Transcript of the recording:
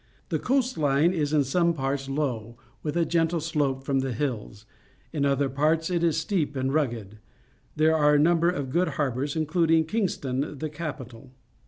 The coast Une is in some parts low, with a gentle slope from the lulls; in other parts it is steep and rugged. There are a number of good harbours, including Kingston, the ca pital